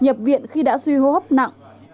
nhập viện khi đã suy hô hấp nặng